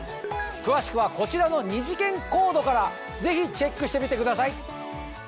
詳しくはこちらの２次元コードからぜひチェックしてみてください！